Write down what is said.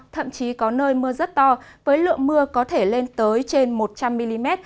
thậm chí có nơi mưa rất to với lượng mưa có thể lên tới trên một trăm linh mm